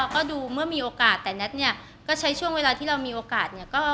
ก็ดูเมื่อมีโอกาสแต่แน็ตเนี่ยก็ใช้ช่วงเวลาที่เรามีโอกาสเนี่ย